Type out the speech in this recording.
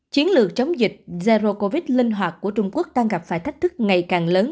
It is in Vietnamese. chiến lược chống dịch zero covid linh hoạt của trung quốc đang gặp phải thách thức ngày càng lớn